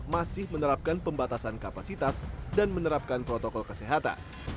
masih menerapkan pembatasan kapasitas dan menerapkan protokol kesehatan